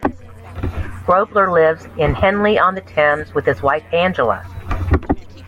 Grobler lives in Henley-on-Thames with his wife Angela.